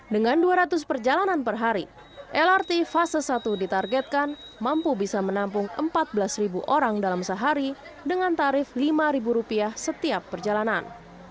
dengan dua ratus perjalanan per hari lrt fase satu ditargetkan mampu bisa menampung empat belas orang dalam sehari dengan tarif rp lima setiap perjalanan